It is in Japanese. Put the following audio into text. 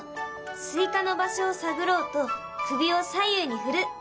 スイカの場所を探ろうと首を左右に振る。